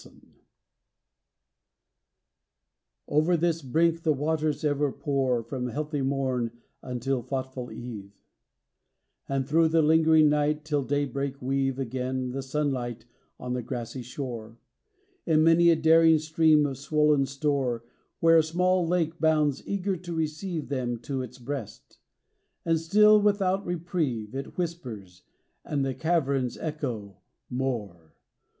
SONNET. Over this brink the waters ever pour From healthy morn unto thoughtful eve, And through the lingering night till daybreak weave Again the sun light on the grassy shore, In many a daring stream of swollen store, Where a small lake bounds eager to receive Them to its breast; and still without reprieve It whispers, and the caverns echo: more.